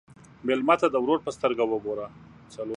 مېلمه ته د ورور په سترګه وګوره.